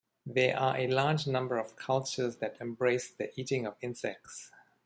There are a large number of cultures that embrace the eating of insects.